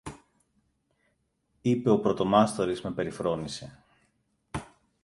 είπε ο πρωτομάστορης με περιφρόνηση.